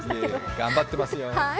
頑張ってますよ。